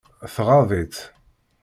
Tɣaḍ-itt.